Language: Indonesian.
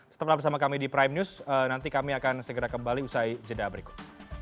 setelah bersama kami di prime news nanti kami akan segera kembali usai jeda berikut